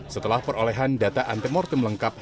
setelah perolehan data antemortem lengkap